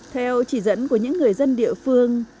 theo chỉ dẫn của những người dân địa phương